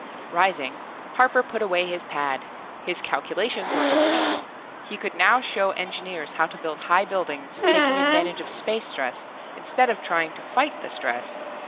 Rising, Harper put away his pad. His calculations were complete. He could now show engineers how to build high buildings, taking advantage of space stress instead of trying to fight the stress.